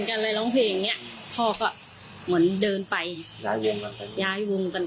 กันอะไรร้องเพลงเนี่ยพ่อก็เหมือนเดินไปย้ายวงจันทน์